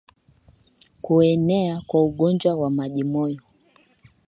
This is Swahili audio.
Kuenea kwa ugonjwa wa majimoyo